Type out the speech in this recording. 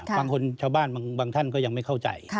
ชาวบ้านบางท่านก็ยังไม่เข้าใจ